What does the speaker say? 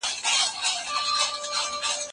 د واده يا بل دعوت منل کوم شرعي حکم لري؟